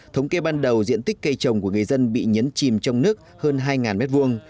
thống kê ban đầu diện tích cây trồng của người dân bị nhấn chìm trong nước hơn hai m hai